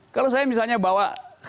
kalau saya misalnya bawa